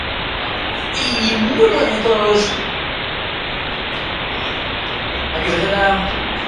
Zuengana jotzen dut, berriz ere.